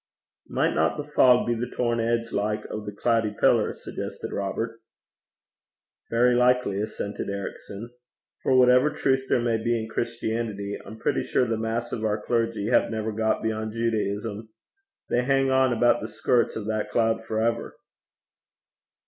'Michtna the fog be the torn edge like, o' the cloody pillar?' suggested Robert. 'Very likely,' assented Ericson; 'for, whatever truth there may be in Christianity, I'm pretty sure the mass of our clergy have never got beyond Judaism. They hang on about the skirts of that cloud for ever.'